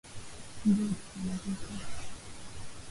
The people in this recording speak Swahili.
Njooni tupumzike